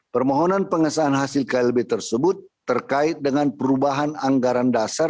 permohonan pengesahan hasil klb tersebut terkait dengan perubahan anggaran dasar